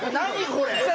これ。